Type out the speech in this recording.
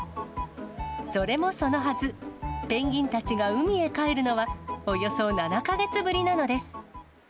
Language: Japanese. それもそのはず、ペンギンたちが海へ帰るのは、およそ７か月ぶりなのです。